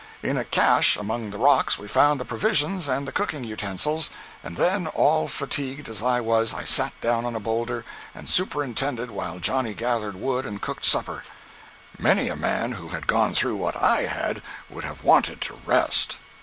In a "cache" among the rocks we found the provisions and the cooking utensils, and then, all fatigued as I was, I sat down on a boulder and superintended while Johnny gathered wood and cooked supper. Many a man who had gone through what I had, would have wanted to rest.